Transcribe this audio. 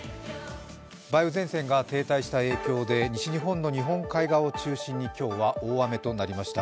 梅雨前線が停滞した影響で、西日本の日本海側を中心に今日は大雨となりました。